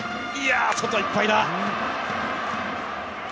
外いっぱいだ。